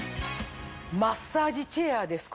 マッサージチェアです